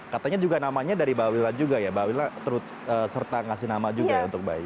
katanya juga namanya dari mbak wilna juga ya mbak wilna terus serta kasih nama juga ya untuk bayi